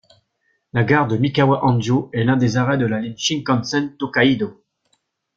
La gare de Mikawa-Anjo est l'un des arrêts de la ligne Shinkansen Tōkaidō.